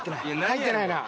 入ってないな。